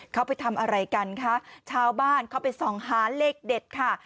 เขาไปทำอะไรกันคะชาวบ้านเข้าไปส่องหาเลขเด็ดค่ะ